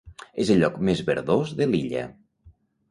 És el lloc més verdós de l'illa.